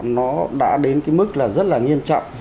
nó đã đến cái mức là rất là nghiêm trọng